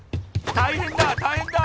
・大変だ大変だ！